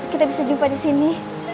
kita bisa jumpa disini